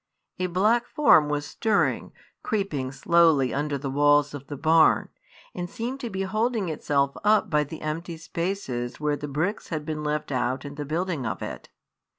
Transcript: A black form was stirring, creeping slowly under the walls of the barn, and seemed to be holding itself up by the empty spaces where the bricks had been left out in the building of it.